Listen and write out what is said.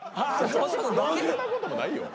そんなこともないよ。